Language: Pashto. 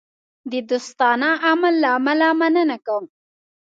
د دوستانه عمل له امله مننه کوم.